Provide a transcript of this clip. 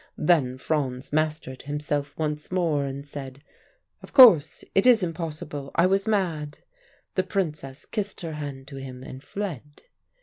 "Then Franz mastered himself once more, and said: 'Of course, it is impossible. I was mad.' "The Princess kissed her hand to him and fled.